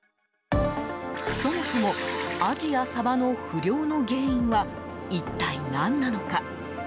そもそも、アジやサバの不漁の原因は一体何なのか。